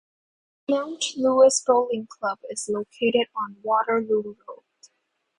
Mount Lewis Bowling Club is located on Waterloo Road.